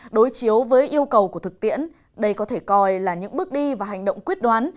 đối chiếu với yêu cầu của thực tiễn đây có thể coi là những bước đi và hành động quyết đoán